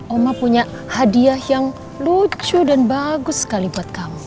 oma punya hadiah yang lucu dan bagus sekali buat kamu